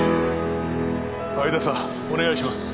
会田さんお願いします。